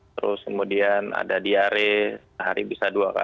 terus kemudian ada diare hari bisa dua puluh kali mondar mandir begitu